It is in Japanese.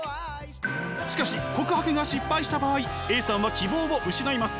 しかし告白が失敗した場合Ａさんは希望を失います。